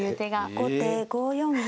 後手５四銀。